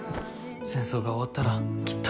戦争が終わったらきっと。